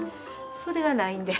それがないんで。